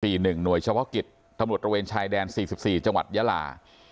ปีหนึ่งหน่วยเฉพาะกิจตำรวจระเวนชายแดนสี่สิบสี่จังหวัดยาลา